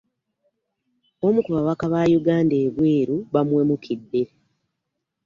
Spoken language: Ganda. Omu ku babaka ba Yuganda ebweru baamuwemukidde.